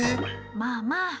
まあまあ。